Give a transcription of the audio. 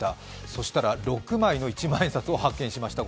そしたら、６枚の一万円札を発見しました。